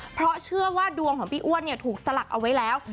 เพราะเชื่อว่าดวงของพี่อ้วนถูกสลักเอาไว้แล้ว